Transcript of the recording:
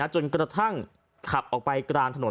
จนกระทั่งขับออกไปกลางถนน